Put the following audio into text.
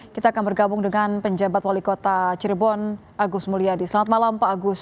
kita akan bergabung dengan penjabat wali kota cirebon agus mulyadi selamat malam pak agus